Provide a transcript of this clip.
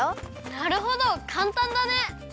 なるほどかんたんだね！